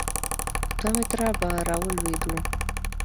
دوه متره به راولوېدو.